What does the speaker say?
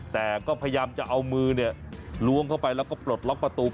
แต่ก็พยายามจะเอามือล้วงเข้าไปแล้วก็ปลดล็อกประตู